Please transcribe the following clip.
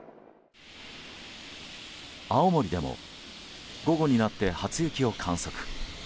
青森でも午後になって初雪を観測。